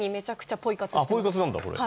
ポイ活なんだ、これ。